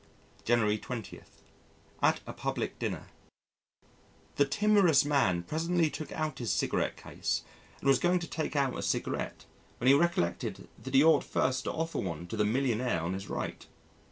January 20. At a Public Dinner ... The timorous man presently took out his cigarette case and was going to take out a cigarette, when he recollected that he ought first to offer one to the millionaire on his right.